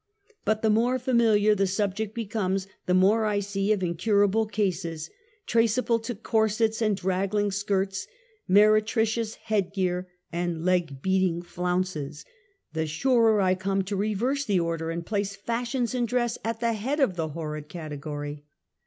But the more familiar the subject becomes, the more I see of incurable cases, — traceable to corsets and drag gling skirts, meretricious head gear, and leg beating flounces, — the surer I come to reverse the order and place fashions in dress at the head of the horrid category.